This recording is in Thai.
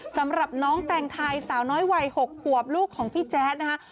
สำหรับน้องแตงไทยสาวน้อยวัย๖ขวบลูกของพี่แจ๊ดนะคะ